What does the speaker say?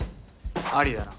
ありやな